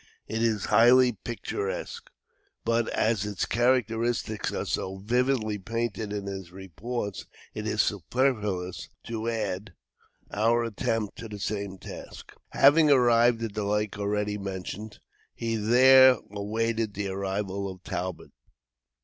It is highly picturesque; but, as its characteristics are so vividly painted in his reports, it is superfluous to add our attempt to the same task. Having arrived at the lake already mentioned, he there awaited the arrival of Talbot.